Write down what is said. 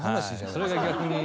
それが逆に。